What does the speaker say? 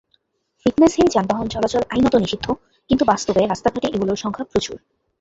ফিটনেসহীন যানবাহন চলাচল আইনত নিষিদ্ধ, কিন্তু বাস্তবে রাস্তাঘাটে এগুলোর সংখ্যা প্রচুর।